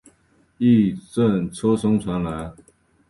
一阵车声传来